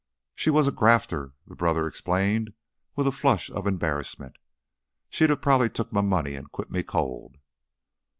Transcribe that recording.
"She was a grafter," the brother explained, with a flush of embarrassment. "She'd of probably took my money an' quit me cold."